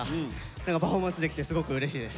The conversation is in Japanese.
だからパフォーマンスできてすごくうれしいです。